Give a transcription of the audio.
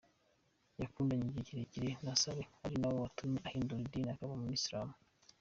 Yakundanye igihe kirekire na Saleh ari na we watumye ahindura idini akaba umuyisilamu.